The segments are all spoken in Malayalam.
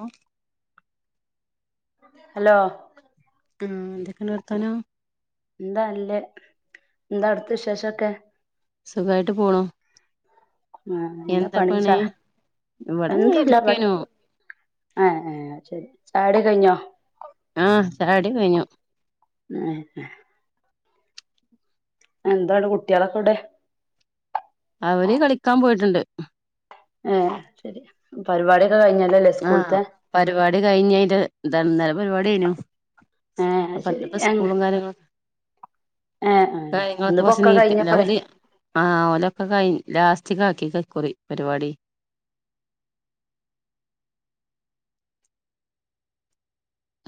ആഹ് ഹലോ മം എന്തൊക്കേണ് വർത്താനം ന്താ നല്ലേ ന്താ അവിട്ത്തെ വിശേഷൊക്കെ സുഖായിട്ട് പോണു ആഹ് എന്താ പണീച്ചാ ഇവിടെങ്ങനെ എന്തുല്ല ബടെ ഇരിക്കേനു ആഹ് ഏഹ് അത്ശരി ചായകുടി കഴിഞ്ഞോ ആഹ് ചായകുടികയ്ഞ്ഞു. ഏഹ് എന്താണ് കുട്ടിയാളൊക്കെവ്ടെ? അവര് കളിക്കാൻ പോയിട്ട്ണ്ട് ഏഹ് ശരി പരിപാടിയൊക്കെ കയ്ഞ്ഞല്ലല്ലോലെ ആഹ് സ്കൂള്ത്തെ പരിപാടി കയിഞ്ഞെന്റെ ന്ത ഇന്നലെ പരിപാടി കയ്ഞ്ഞു ഏ അപ്പൊ ശരി ഇന്ന്പ്പോ ഏ സ്കൂളും കാര്യങ്ങളും ഏ കാര്യങ്ങളൊക്ക കൊർച് ഇന്നിപ്പോൊക്കെ നീട്ടി കഴിഞ്ഞപ്പോളേ ലഓല് ആഹ് ഓലൊക്കെ കയ് ലാസ്റ്റിക്കാക്കിക്ക ഇക്കുറി പരിപാടി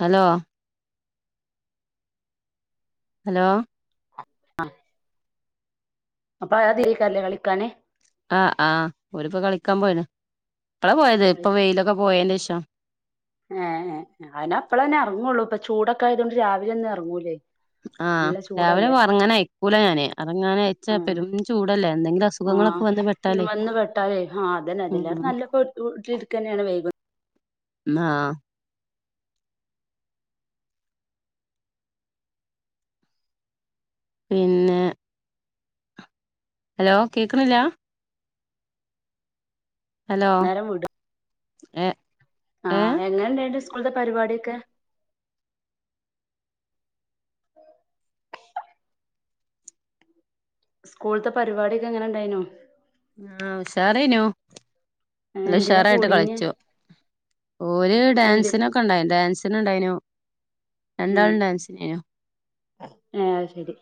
ഹലോ ഹലോ ആഹ് അപ്പാ തിലേക്കരല്ലേ കളിക്കാന് ആഹ് ആഹ് ഓര്പ്പോ കളിക്കാൻ പോയിണ് ഇപ്പള പോയത് പ്പൊ വെയിലൊക്കെ പോയേന്റെ ശേഷം ഏഹ് ഏഹ് അതിന് അപ്പള് ന്നെ എർങ്ങൊള്ളൂ പ്പൊ ചൂടൊക്കായതോണ്ട് രാവിലൊന്നും എർങ്ങൂലേയ് ആഹ് രാവിലെ എർങ്ങാന് അയക്കൂല ഞാന് എറങ്ങാനയച്ച ആ പെരും ചൂടല്ലേ എന്തെങ്കിലും ആ അസുഖങ്ങളൊക്കെ വന്ന് പെട്ട വന്ന് പെട്ടാലേ ഹാ അതന്നെ ഇതിലേറെ നല്ല പേടിച് വീട്ടിലിര്ക്കന്നേണ് വൈബ് മം ഹാ പിന്നെ ഹലോ കേക്ക്ണില്ല ഹലോ നേരം വീടാ ഏ ഏ ആഹ് എങ്ങനെണ്ടായിന്നട്ട് സ്കൂള്ത്തെ പരിപാടിയൊക്കെ സ്കൂള്ത്തെ പരിപാടിയൊക്കെ എങ്ങനെണ്ടായിനു? ആഹ് ഉഷാറേനു നല്ല എന്തിനാ ഉഷറായിട്ട് കൂടീന് കളിച്ചു, ഓര് എന്ത് ഡാൻസിനൊ ണ്ടായി ഡാൻസിന് ഇണ്ടായിനു. ഉം രണ്ടാളും ഡാൻസിനേനു. ഏഹ് അത്ശരി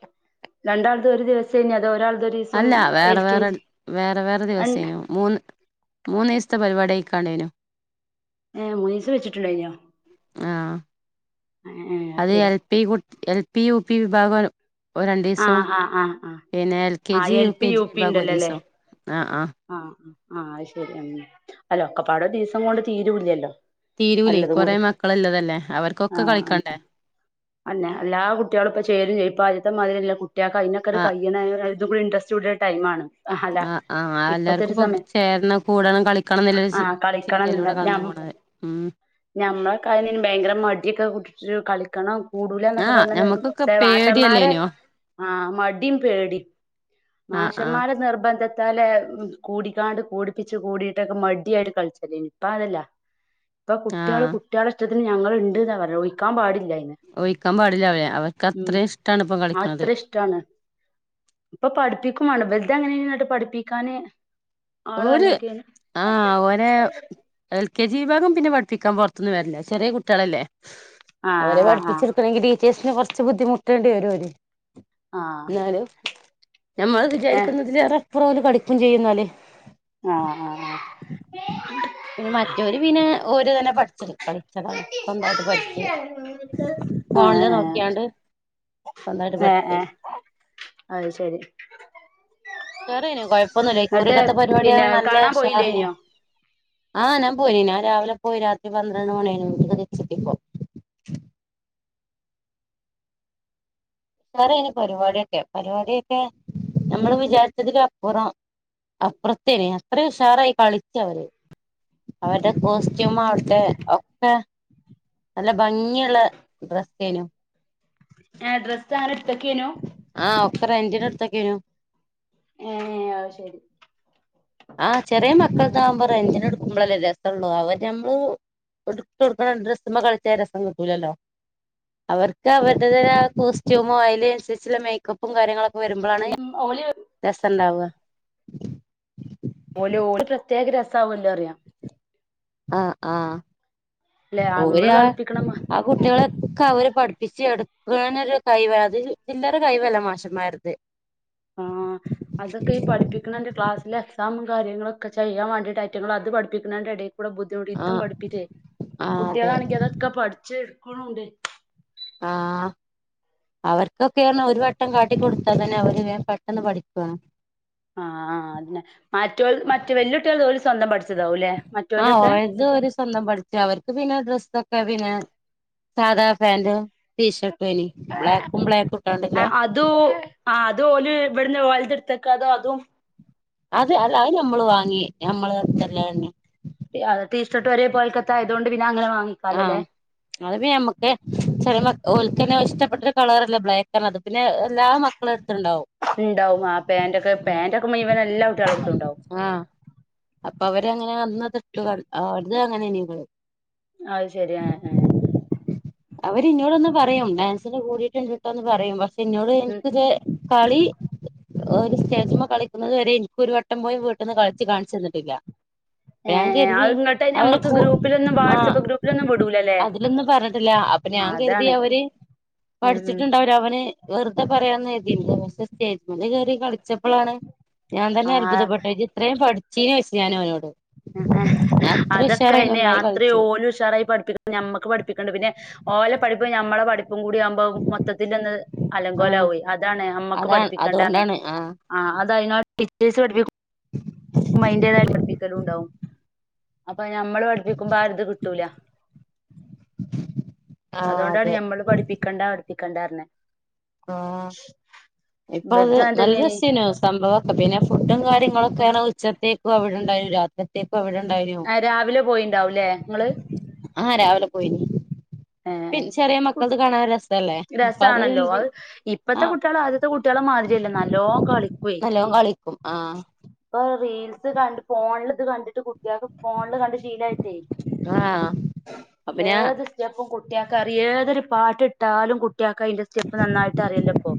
രണ്ടാൾതും ഒരു ദിവസേനി അതോ ഒരാൾ അല്ല വേറെ വേറെ വേറെ വേറെ അൻ ദിവസേനു മൂന്ന് മൂന്നീസ്ത്തെ പരിപാടി കയിക്കാണ്ടേനു ഏ മൂന്നീസ വെച്ചിട്ടുണ്ടായിഞൊ ആഹ് ഏഹ് അത് ശരി എൽ പി കു എൽ പി യു പി വിഭാഗൊ ഒ രണ്ടീസം ആഹ് ആഹ് ആഹ് ആഹ് പിന്നെ എൽ കെ ആഹ് G U L P K G P വിഭാഗം ഇണ്ടല്ലോല്ലേ ഒരീസം ആഹ് ആഹ് ആഹ് ആ അയ് ശരി അങ്ങനെ അല്ല ഒക്കെപാടെ രുദീസം കൊണ്ട് തീരൂല്ലല്ലോ തീരൂലയ് എല്ലതും കൊറെ കൂടി മക്കളുള്ളതല്ലേ അവർക്കൊക്കെ കളിക്കണ്ടേ അയെന്നെ എല്ലാ കുട്ട്യാളും ഇപ്പൊ ചേരും ചെയ്യും ഇപ്പാദ്യത്തെ മാതിരിയല്ല കുട്ട്യാക്കായിനൊക്കെ ഒരു ആഹ് കയ്യണ ഒര തൂക്കൂടെ ഇന്ട്രെസ്‌റ്റ് കൂടിയൊരു ടൈമാണ് അല്ല ആ ആ ഇപ്പത്തെ എല്ലാർക്കും ഒരു സമയം ഇപ്പൊ ചേരണം കൂടണം കളിക്കണന്നുല്ലൊരു ചി ആഹ് ചിന്തയിലൂടെ കടന്നു പോണത് മ്മ് ഞമ്മളെകായിന്നെ ഭയങ്കര മടിയൊക്കെ പിടിച്ചു കളിക്കണോ കൂടുലന്നൊക്കെ ആഹ് പറഞ്ഞന്ന് ഞമ്മക്കൊക്കെ മിസ്സേ മാഷമാരെ പേടിയല്ലേനോ ആ മടിം പേടിം ആഹ് ആഹ് മാഷമാരെ നിർബന്ധ ത്താലെ കൂടിക്കാണ്ട് കൂടിപ്പിച് കൂടിട്ടൊക്കെ മടിയായിട്ട് കളിച്ചലേനി ഇപ്പ അങ്ങനല്ല ഇപ്പൊ കുട്ട്യാള് ആഹ് കുട്ട്യാളെ ഇഷ്ടത്തിന് ഞങ്ങള്ണ്ട്ന്നാ പറയൂ ഒയിക്കാൻ പാടില്ല അയിന്ന് ഒയിക്കാൻ പാടില്ല അവരെ അവ ഉം അത്ര ഇഷ് ടാണ് ഇപ്പൊ പഠിപ്പിക്കും വേണ്ട ഇവലത് എങ്ങനെയിനി ഇന്നട്ട് പഠിപ്പിക്കാന് ആള് ഓര് വന്ന്ക്കേനി ആ ഓരെ എൽ കെ ജി വിഭാഗം പിന്നെ പഠിപ്പിക്കാൻ പൊറത്ത്ന്ന് വരലാ ചെറിയ കുട്ട്യാളല്ലേ അവരെ ആഹ് ആഹ് പഠപ്പിച്ചെടുക്കണെങ്കിൽ ടീച്ചേഴ്സിന് കുറച്ച് ബുദ്ധിമുട്ടേണ്ടി വരും ഓര് ആഹ് ഇന്നാലും ഞമ്മൾ ആഹ് ഏഹ് വിചാരിക്കുന്നതിലേറെപ്പുറം ഓല് കളിക്കും ചെയ്യുന്നാല് ആഹ ആഹ് പിന്നെ മറ്റോര് പിന്നെ ഓര് തന്നെ പഠിച്ചത് കളിച്ചതാണ് സ്വന്തായിട്ട് പഠിച് ആഹ് ഫോണില് ആഹ് നോക്കിയാണ്ട് സ്വന്തായിട്ട് പഠിച് അയ് ശരി ഉഷാറേനി കൊയപ്പൊന്നുല്ല എന്നിട്ട് ഇക്കുറിക്കത്തെ പരിപാടിയാ പിന്നെ നല്ല കാണാൻ ഉഷാറേനി പോയില്ലേനോ ആഹ് ഞാൻ പോയി ഞാ രാവിലെ പോയി രാത്രി പന്ത്രണ്ട് മണിയായിനു വീട്ട്ക് തിരിച്ചെത്തിയപ്പോ ഉഷാറേനി പരിവാടിയൊക്കെ പരിവാടിയൊക്കെ നമ്മള് വിചാരിച്ചതിലും അപ്പുറം അപ്പറത്തേന് അത്രയും ഉഷാറായി കളിച്ചവര് അവരുടെ കോസ്റ്റ്യൂം ആവട്ടെ ഒക്കെ നല്ല ഭംഗിയുള്ള ഡ്രസ്സേനു ആഹ ഡ്രെസ്സാങ്ങള് ടുത്ത്ക്ക് യ് നു ആഹ് ഒക്കെ റെന്റിനെട്ത്തക്കെനു ഏഹ് അയ് ശരി ആഹ് ചെറിയ മക്കളതാവുമ്പോ റെന്റിനെടുക്കുമ്പളല്ലേ രസള്ളോ അവര് നമ്മള് ഇടത്തോട്ക്കണ ഡ്രസ്സ്മ്മ കളിച്ച രസം കിട്ടൂലല്ലോ അവർക്ക് അവരുടെത ആ കോസ്റ്റ്യൂമോ അതിതിന അനുസരിച്ചുള്ള മേക്കപ്പും കാര്യങ്ങളൊക്കെ. വരുമ്പോഴാണ് ഓല് രസം ഉണ്ടാവുക. ഓല് ഓല് പ്രത്യേക ര സാവോല്ലോന്ന റിയാ. ആഹ് ആഹ്. അല്ലെ നമ്മള് കളിപ്പിക്കണമാ കുട്ട്യാളൊക്കെ അവര് പഠിപ്പിച്ച് എടുക്കനോരു കൈവ് അത് ചില്ലറ കൈവല്ല മാഷുംമാരത് ആഹ് അതൊക്കെ ഈ പഠിപ്പിക്കണേന്റെ ക്ലാസിലെ എക്സാമും കാര്യങ്ങളൊക്കെ ചെയ്യാൻ വേണ്ടിട്ട് അറ്റിങ്ങൾ അത് പഠപ്പിക്കിണേന്റെ ഇടേ കൂടെ ബു ഇ ഇതും ആഹ് പഠിപ്പിച്ചേ ആഹ് അതെ കുട്ട്യാളാണെങ്കിൽ അതൊക്കെ പഠിച്ച് എടുക്ണുംണ്ട് ആഹ് അവർക്കൊക്കേറ്ഞ്ഞാ ഒരു വട്ടം കാട്ടിക്കൊടുത്താൽ തന്നെ അവര് വേം പെട്ടെന്ന് പഠിക്കും ആഹ് അതന്നെ മറ്റോ മറ്റ വെല്ല്യട്ട്യളത് ഓല് സ്വന്തം പഠിച്ചു ച്ചതാകും ലെ മറ്റോന്റെ ആഹ് ഒക്കെ ഓരത് മറ്റോ ഓര് സ്വന്തം പഠിച്ച അവർക്ക് പിന്നെ ഡ്രെസ്സൊക്കെ പിന്നെ സാധാ പാന്റും ടീഷർട്ടും ഏനി ബ്ലാക്കും ബ്ലാകും ഇട്ടാണ്ട്ലേ ആഹ് അത് ഓല് ഇവിടുന്ന് ഓലെത് ഇട്ത്ത്ക്കാതെ അതും അത് അല്ലാ അത് ഞമ്മള് വാങ്ങി ഞമ്മള് ഇള്ളത് തന്നെ അത്‌ ടീഷർട്ട്‌ ഒരേ പോൽക്കത്ത ആയത്കൊണ്ട് പിന്നെ അങ്ങനെ വാങ്ങിക്കാലൊ ആഹ് ലെ അത് പിന്നെ നമ്മുക്ക് ചെറിയ മക്ക ഓൽക്കന്നെ ഇഷ്ടപ്പെട്ടൊരു കളറല്ലേ ബ്ലാാക്ക്റിയ്ണത് പിന്നെ എല്ലാ മക്കളെ അടുത്തുണ്ടാവും ഇണ്ടാവും ആ പാന്റ് ഒക്കെ ഉം പാന്റൊക്കെ മുയുവൻ എല്ലാ കുട്ട്യാളെടുത്തും ഇണ്ടാവും ആഹ് അപ്പൊ അവരങ്ങനെ അന്ന് അതിട്ട് അവട്ന്ന് അങ്ങനേനി ഞങ്ങള് അത് ശരി ആ ആഹ് അവരി ഇന്നോടൊന്ന് പറയും ഡാൻസിന് കൂടിട്ട് ഇണ്ട്ട്ടാന്ന് പറയും പക്ഷെ ഇന്നോട് ഇനിക്കിത് കളി ഓര് സ്റ്റേജ്മ്മെ കളിക്കുന്നത് വരെ ഇനിക് ഒരു വട്ടം പോലും വീട്ടിൽന്ന് കളിച്ച് കാണിച്ചു തന്നിട്ടില്ല ഏ ഞാൻ ഏ കരുതി അത് ഇങ്ങോട്ട് അവര് ഞമ്മക്ക് കൂ ഗ്രൂപ്പിലൊന്നും ആഹ് വാട്സആപ്പ് ഗ്രൂപ്പിലൊന്നും വിടൂലല്ലേ അതിലൊന്നും പറഞ്ഞട്ട അപ്പൊ ഞാൻ കരുതി അതാണ് അവര് ഉം ഉം പഠിച്ചിട്ടുണ്ടാവ അവന് വെറുതെ പറയാ കർതി പക്ഷേ സ്റ്റേജ്മെല് കേറി കളിച്ചപ്പളാണ് ഞാൻ ആ തന്നെ അത്ഭുതപ്പെട്ടത് ഇജ്ജി ഇത്രയും പഠിച്ചീനോ ചോയ്ച്ച് ഞാൻ ഓനോട്‌ അതൊക്കെ അയിന് നന്നായി അത്രയും കളിച്ചു ഓലുഷറായി പഠിപ്പിക്ക ഞമ്മക്ക് പഠിപ്പിക്കണ്ട പിന്നെ ഓലെ പഠിപ്പും ഞമ്മളെ പഠിപ്പും കൂടി ആവുമ്പോ മൊത്തത്തിൽ ഒന്ന് ആഹ് അലങ്കോലാവേ അതാണ് അമ്മക്ക് അതാണ് പഠിപ്പിക്കണ്ടാറ്ഞ്ഞ് അതുകൊണ്ടാണ് ആഹ് ആ അത് അതിനോട് ടീച്ചേഴ്സ് പഠിപ്പിക്കുമ്പോ അയിന്റേതായിട്ട് പഠിപ്പിക്കും ണ്ടാവും അപ്പൊ ഞമ്മള് പഠിപ്പിക്കുമ്പോ ആരു ഇത് കിട്ടൂല ആഹ് അതോണ്ടാണ് അതെ ഞമ്മള് പഠിപ്പിക്കണ്ട പഠിപ്പിക്കണ്ടർഞ്ഞ് ആഹ് ഇപ്പ അത് അങ്ങനെ നല്ല തന്നെയാണ് രസേനു സംഭവൊക്കെ പിന്നെ ഫുഡും കാര്യ ങ്ങളോക്കെ ഉച്ചത്തേക്കും അവിടെണ്ടായിനു രാത്രിത്തേക്കും അവിടെ ഉണ്ടായിനു ആഹ് രാവിലെ പോയിണ്ടാവുംല്ലേ ഇങ്ങള് ആഹ് രാവിലെ പോയിനി ഏഹ് പിന്നെ ചെറിയ മക്കൾത് കാണാൻ രസല്ലേ അപ്പൊ രസാണല്ലോ എഴുതി അത് ഇപ്പത്തെ ആഹ് കുട്ട്യാള അത് ത്തെ കുട്ട്യാളെ മാതിരിയല്ല നല്ലോം കളിക്കുവേ നല്ലോം കളിക്കും ആഹ് ഇപ്പൊ റീൽസ് കണ്ട് ഫോണിൽ ഇത് കണ്ടിട്ട് കുട്ടി കുട്ട്യാക്ക് ഫോണില് കണ്ട് ശീലായിട്ടേ ആഹ് അപ്പൊ ഞാൻ എത് സ്റ്റെപ്പും കുട്ട്യാക്കറിയും ഏതൊരു പാട്ടിട്ടാലും കുട്ട്യാക്ക് അയിന്റെ സ്റ്റെപ്പ് നന്നായിട്ട് അറിയല്ലൊ ഇപ്പോ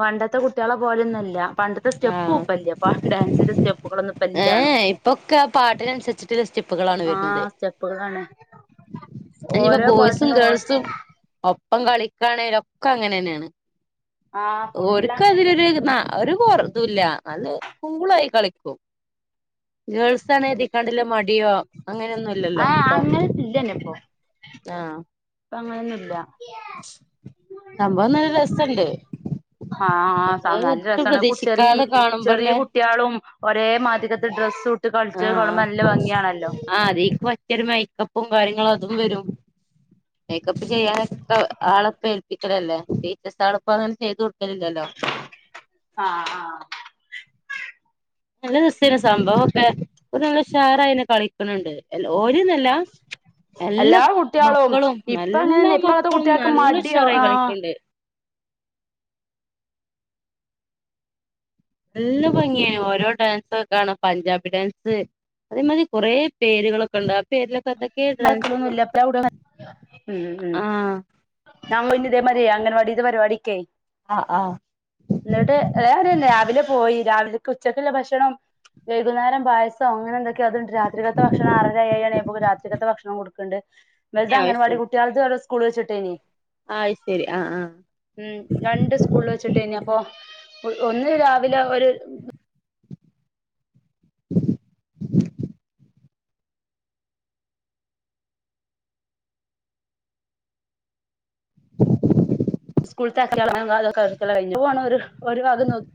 പണ്ടത്തെ കുട്ട്യാളെ പോലെ ഒന്നുംല്ല പണ്ടത്തെ സ്റ്റെപ്പും ആഹ് ഇപ്പല്ല്യ ഡാൻസിന്റെ സ്റ്റെപ്പുകളൊന്നും ഇപ്പ ഇല്ല്യാണും ഏഹ് ഇപ്പൊക്കെ ആ പാട്ടിനനുസരിച്ച് സ്റ്റെപ്പുകളാണ് ആഹ വരുന്നത് സ്റ്റെപ്കളാണ് [unintelligible] ബോയ്സും ഓ ഗേൾസും ഇപ്പം കളിക്കാണേലൊക്കെ അങ്ങനെ തന്നെയാണ് ആഹ് ഫുള്ള് ഓരിക്ക് അതിലൊരു അങ്ങനെന്നെയാണ് ന ഒരു കൊറതല്ല നല്ല കൂളായി കളിക്കും ഗേൾസ് ആണ എഴതിക്കാണ്ടില്ല മടിയോ അങ്ങനെയൊന്നും ഇല്ലല്ലോ അപ്പൊ ഇതന്നെപ്പോ ആഹ് ഇപ്പൊ അങ്ങനെയൊന്നും ഇല്ല സംഭവം നല്ല രസുണ്ട് ആഹ് ന രസമാണ്ക്ക ചെറിയ പ്രതീക്ഷിക്കാതെ ചെറിയ കാണുമ്പോല്ലേ കു- കുട്ടിയാളും ഒരേ മാദ്യകത്ത് ഡ്രസ്സ്ട്ട് കളിച്ച കാണുമ്പ നല്ല ഭംഗിയാണല്ലോ ആ അതേക്ക്പറ്റിയ മേക്കപ്പും കാര്യങ്ങളും അതും വരും മേക്കപ്പ് ചെയ്യാനൊക്കെ ആളപ്പ ഏൽപ്പിക്കലല്ലേ ടീച്ചസ് ആളപ്പ അങ്ങനെ ചെയ്ത് കൊടുക്കലില്ലല്ലോ ആഹ് ആഹ് നല്ല രസയാനി സംഭവം ഒക്കെ ഒരു നമ്മളെ ഷാറായി കളിക്കണണ്ട് ഓരിന്നല്ല എല്ലാ കുട്ട്യാളും മക്കളും ഇപ്പ നല്ലാ അങ്ങനെന്നെ ഇപ്പ അങ്ങത്തെ മക്കളും കുട്ട്യാൾക്ക് നല്ല മടിയോ ഉശാറായി ആഹ് കളിക്കണ്ട് എല്ല ഭംഗിയാണ് ഓരോ ഡാൻസ് കാണാം പഞ്ചാബി ഡാൻസ് അതേമാതി കുറെ പേരുകളൊക്കെ ഉണ്ട് ആ പേരിലൊക്കെ അതക്കെ ക്കെ ഡാൻസുകളും നടക്കലൊന്നുല്ല ഇപ്പ ആഹ് നാ പിന്നെ ഇതേ മാരിയാേ അംഗൻവാടി ത്തെപരിപാടിക്കേ ആഹ് ആഹ് എന്നിട്ട് ഏറ രാവിലെ പോയി രാവിലെ ഉച്ചക്കല്ല ഭക്ഷണം വൈകുന്നേരം പായസം അങ്ങനെ എന്തൊക്കെയ അതുണ്ട് രാത്രികാലത്തെ ഭക്ഷണം ആറര ഏഴ്മണി ആയുമ്പോ രാത്രിക്കകത്തെ ഭക്ഷണം കൊടുക്കുന്നുണ്ട് വെൽത് അത് അങ്കൻവാടി കുട്ടികൾത് സ്കൂൾവെച്ച് വിട്ടേനി ആയ് ശരി ആഹ് ആഹ് ഉം രണ്ട് സ്കൂളിൽ വെച്ചിട്ട കഴഞ്ഞ അപ്പൊ ഒന്ന് രാവിലെ ഒരു സ്കൂളത്തക്കിയള അതൊക്കെതൊക്കെ കഴഞ്ഞ പോ ഒരു ഭാഗം നോക്ക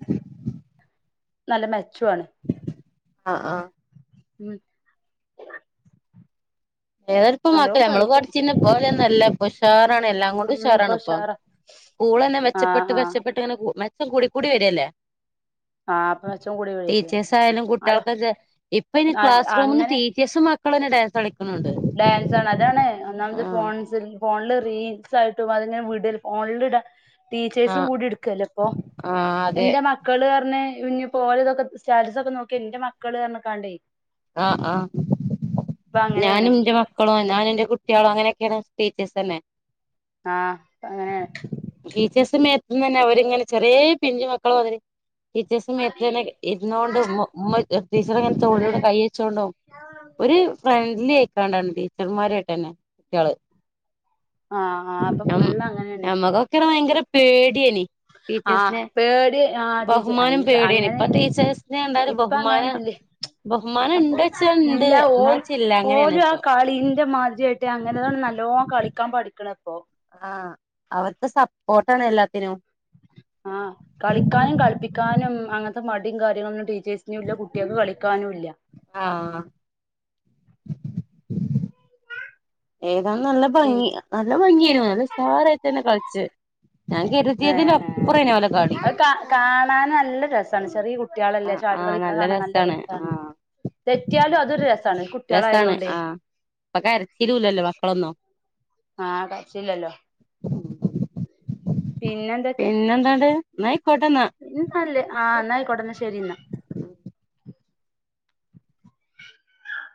നല്ല മെച്ചു ആണ് ആഹ് ആഹ് ഉം ഏതപ്പമാക്ക നല്ലോം നമ്മള് കളിച്ചു കുടിച്ചി പോലെന്നുംല്ല പഷാറാണ് എല്ലാം ഉം ഇപ്പൊ അങ്ങോട്ഷാറാണ ഇപ്പ ഉഷാറാ സ്കൂൾ തന്നെ മെച്ചപ്പെട്ട് ആഹ് ആഹ് മെച്ചപ്പെട്ട് ഇങ്ങനെ മെച്ചം കൂടി കൂടി വരില്ലേ ആഹ് അപ്പൊ മെച്ചം കൂടി വരും ടീച്ചേഴസ് ആയാലും ഹലോ കുട്ടികൾക്ക ഇപ്പ ഇ ക്ലാസ് റൂമന്ന് അങ്ങനെ ടീ മിസ്സും മക്കൾ തന്നെ ഡാൻസ് കളിക്കുന്നുണ്ട് ഡാൻസ്ണ് അതാണ് ഒന്നാമത് ആഹ് ഫോൺസിൽ ഫോണില് റീൽസ് ആയിട്ടും അതങ്ങനെ വീഡിയൽ ഫോണിൽ ടീച്ചേഴ്സും ആഹ് കൂടി എടുക്കല്ലേ ഇപ്പൊ ആഹ് അതെ എന്റെ മ മക്കള് ക ഇഞ്ഞഞ് പോലെ ഇതൊക്കെ സ്റ്റാ സ് ഒക്കെ നോക്കി എന്റെ മക്കള് കണ്ടേ കാണ്ട് ആഹ് ആഹ് അങ്ങനെയാണ് ഞാനുംന്റെ മ മക്കളോ ഞാനൻന്റെ കുട്ടികളോ അനൊക്കെയാണ് ടീച്ചേസ് തന്നെ ആഹ് അങ്ങനെ ടീച്ചേഴ്സും മ എത്തന്ന് തന്നെ അവരിങ്ങനെ ചെറിയ പിഞ്ചു മക്കള മാതിരി ടീച്ചേഴ്സ് മേത്ത്ങ്ങനെഇരുന്നോണ്ട് ഉമ്മ ടീച്ചർങ്ങനെ തോളിലൂടെ കൈ വെച്ച് കൊണ്ടും ഒരു ഫ്രണ്ട്ലി ആയിക്കാണ്ടാണ് ടീച്ചർമാരായിട്ട് തന്നെ കുട്ടികള് ആഹ് ആഹ് ഇപ്പൊ ഫുള്ള് അങ്ങനെയാണ് ഞമ്മക്കൊക്കെ ഭയങ്കര പേടിയനി ആഹ പേടി ആ ടീച്ചെ ബഹുമാനം അയ്ന് പേടിയേനി ഇപ്പൊ അങ്ങനേനി ടീച്ചേഴ്സിനെ കണ്ടാല് ഇപ്പ ബഹുമാനം അങ്ങനെന്നുംല്ലേഹ് ബഹുമാനം അപ്പൊ ഇണ്ട് വെച്ചാ ഇണ്ട് ഇല്ല ഓ എന്നാ വെച്ചാ ഇല്ല അങ്ങനെയാണ് ഓലും ആ ഇപ്പൊ കളിന്റെ മാതിരിയാ ട്ടാ അങ്ങനെതെന്നെ നല്ലോ കളിക്കാൻ പഠിക്ക്ണ ഇപ്പൊ ആഹ അവർക്ക് സപ്പോട്ടാണ് എല്ലാത്തിനും ആഹ്‌ കളിക്കാനും കളിപ്പിക്കാനും അങ്ങെന്ത്തെ മടിം കാര്യങ്ങളൊന്നും ടീച്ചേഴ്സിനുല്ല കുട്ട്യേൾക്ക് കളി ക്കാനുല്ല്യാ ആഹ്‌ ഏതാ നല്ല പി ഭംഗി നല്ലെ ഭംഗിയാന്ന് നല്ലെ ഉഷാറായിട്ടന്നെ കൾച്ചേ ഏഹ് കളി ‌ഹേഹ് അത് കാ കാണാന് നല്ലെ രസണ്ട് ചെറീ കു കുട്ട്യേളല്ലേ ആഹ് ആഹ് ചാടികളിക്ക്ണ നല്ല കാണാ നല്ലെ രസാണ് ആഹ് തെറ്റ്യാലും അതൊരു രസ രസാണ് ആ ഇപ്പം കരച്ചിലൂല്ലല്ലോ മക്കളൊന്നും ആഹ്‌ [unintelligible] പിന്നെൻ പിന്നെൻന്താണ്ട് ഇന്ന അയിക്കോട്ടന്നാ ഇന്ന നല്ലേ ആഹ് ഇന്നയികോട്ടെന്ന ശെരിന്ന